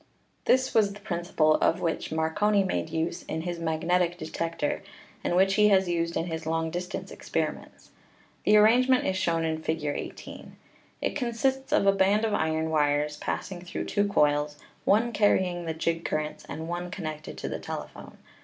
This was the principle of which Marconi made use in his magnetic detector, and which he has used in his long distance experiments. The arrangement is shown in Fig. 18. It consists of a band of iron wires passing through two coils, one carrying the jig currents and one con nected to the telephone.